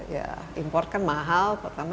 ya import kan mahal pertama